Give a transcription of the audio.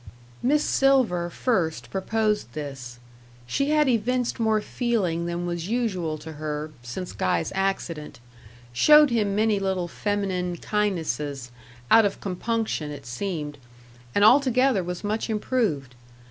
Miss Silver first proposed this. She had evinced more feeling than was usual to her, since Guy's accident; showed him many little feminine kindnesses out of compunction, it seemed; and altogether was much improved.